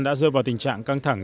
đã rơi vào tình trạng căng thẳng